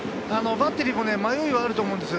バッテリーも迷いはあると思うんです。